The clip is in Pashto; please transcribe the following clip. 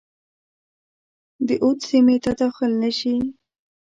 د اود سیمي ته داخل نه شي.